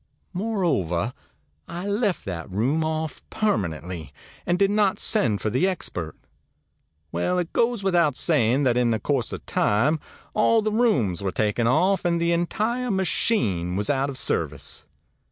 Moreover, I left that room off permanently, and did not send for the expert. Well, it goes without saying that in the course of time all the rooms were taken off, and the entire machine was out of service.